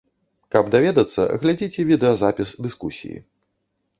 Каб даведацца, глядзіце відэазапіс дыскусіі.